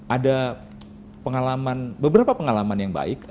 ada pengalaman beberapa pengalaman yang baik